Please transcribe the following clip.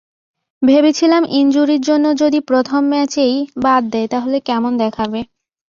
ভেবেছিলাম ইনজুরির জন্য যদি প্রথম ম্যাচেই বাদ দেয় তাহলে কেমন দেখাবে।